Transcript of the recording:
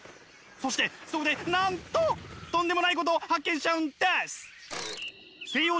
そしてそこでなんととんでもないことを発見しちゃうんです！